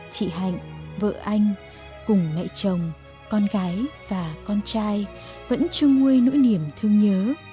chị hạnh vợ anh cùng mẹ chồng con gái và con trai vẫn chưa nguy nỗi niềm thương nhớ